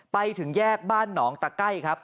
ไปถึงแยกบ้านหนองตะไก้ครับ